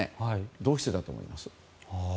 どうしてだと思います？